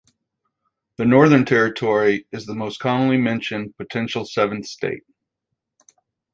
The Northern Territory is the most commonly mentioned potential seventh state.